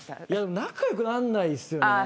仲良くならないんですよね。